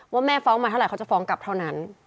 ว่าแม่ฟ้องมาเท่าไหรเขาจะฟ้องกลับเท่านั้น